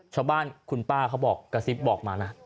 ชาวบ้านคุณป้าเขาบอกกระซิบบอกมานะ